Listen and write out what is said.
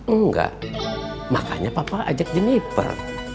enggak makanya papa ajak jemiper